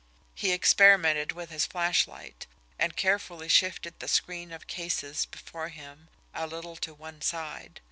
He experimented with his flashlight and carefully shifted the screen of cases before him a little to one side.